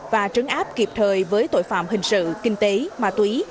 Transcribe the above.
và trấn áp kịp thời với tội phạm hình sự kinh tế ma túy